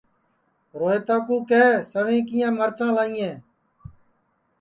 روہیتا کُُو کیہ سویں کِیا مرچاں لائیں